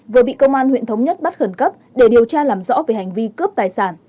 vừa bị công an huyện thống nhất bắt khẩn cấp để điều tra làm rõ về hành vi cướp tài sản